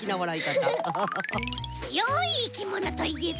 つよいいきものといえば。